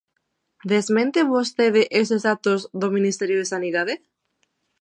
¿Desmente vostede eses datos do Ministerio de Sanidade?